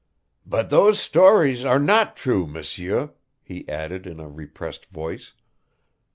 "But those stories are NOT true, M'sieu," he added in a repressed voice.